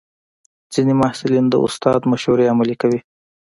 ځینې محصلین د استاد مشورې عملي کوي.